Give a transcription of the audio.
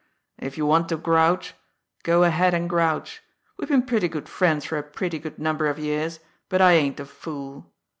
"If you want to grouch, go ahead and grouch! We've been pretty good friends for a pretty good number of years, but I ain't a fool.